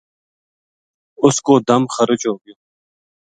اُ س کو دَم خرچ ہو گیو